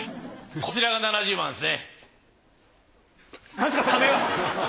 こちらが７０万ですね。